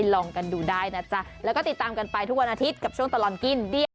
ลองกันดูได้นะจ๊ะแล้วก็ติดตามกันไปทุกวันอาทิตย์กับช่วงตลอดกิน